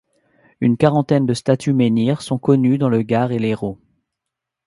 Une quarantaine de statues-menhirs sont connues dans le Gard et l'Hérault.